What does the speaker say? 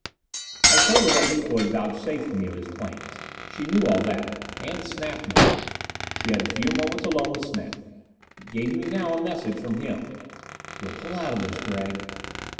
I told her what Miko had vouchsafed me of his plans. She knew all that. And Snap knew it. She had had a few moments alone with Snap. Gave me now a message from him: "We'll pull out of this, Gregg."